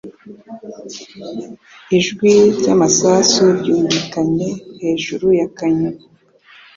Ijwi ry'amasasu ryumvikanye hejuru ya kanyoni.